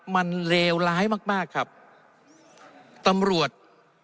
มันเลวร้ายมากมากครับตำรวจ